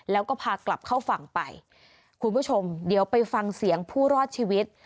แล้วก็พากลับเข้าฝั่งไปคุณผู้ชมเดี๋ยวไปฟังเสียงผู้รอดชีวิต